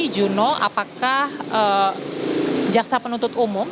juno apakah jaksa penuntut umum